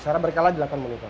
secara berkala dilakukan monitor